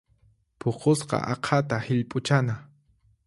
Puqusqa aqhata hillp'uchana.